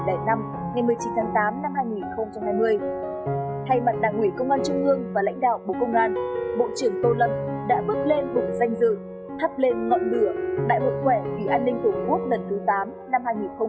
thay mặt đảng ủy công an trung ương và lãnh đạo bộ công an bộ trưởng tô lâm đã bước lên cùng danh dự thắp lên ngọn lửa đại hội khỏe vì an ninh tổ quốc lần thứ tám năm hai nghìn hai mươi ba